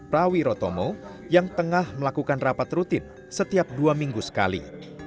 prawirotomo yang tengah melakukan rapat rutin setiap dua minggu sekali